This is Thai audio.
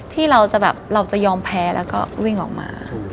ที่เราจะแบบเราจะยอมแพ้แล้วก็วิ่งออกมา